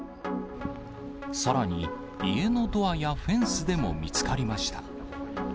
さらに、家のドアやフェンスでも見つかりました。